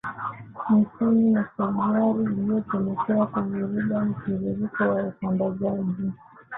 mwishoni mwa Februari iliyopelekea kuvuruga mtiririko wa usambazaji